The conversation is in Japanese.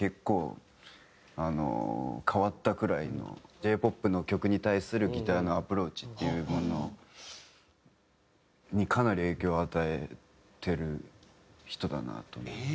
Ｊ−ＰＯＰの曲に対するギターのアプローチっていうものにかなり影響を与えてる人だなと思います。